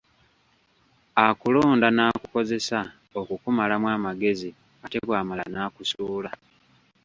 Akulonda n’akukozesa okukumalamu amagezi ate bw’amala n’akusuula.